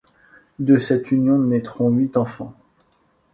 De cette union, naîtront huit enfants.